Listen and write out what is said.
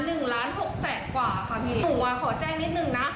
หนูอ่ะขอแจ้งนิดหนึ่งนะ